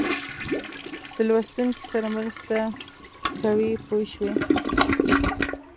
د لوستونکي سره مرسته کوي پوه شوې!.